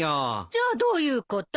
じゃあどういうこと？